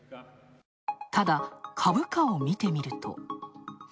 ただ株価を見てみると。